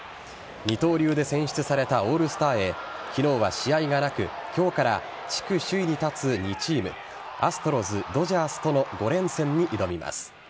二刀流で選出されたオールスターへ昨日は試合がなく、今日から地区首位に立つ２チームアストロズとロジャースとの５連戦に挑みます。